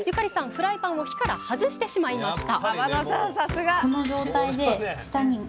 フライパンを火から外してしまいました！